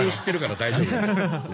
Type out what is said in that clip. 大丈夫か？